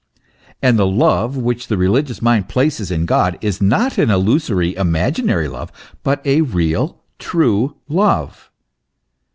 And the love which the religious mind places in God is not an illusory, imaginary love, but a real, true love.